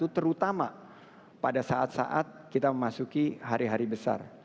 terutama pada saat saat kita memasuki hari hari besar